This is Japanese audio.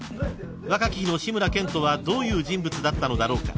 ［若き日の志村けんとはどういう人物だったのだろうか？］